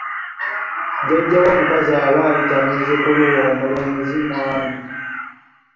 "Jjajjaawo omukazi aba ayita muzzukulu we omulenzi ""mwami""."